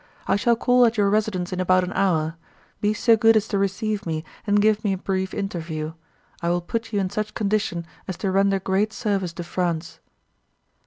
I shall call at your residence in about an hour. Be so good as to receive me and give me a brief interview. I will put you in such condition as to render great service to France.